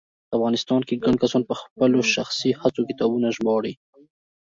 په افغانستان کې ګڼ کسان په خپلو شخصي هڅو کتابونه ژباړي